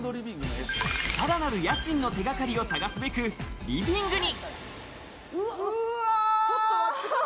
さらなる家賃の手掛かりを探すべく、リビングに。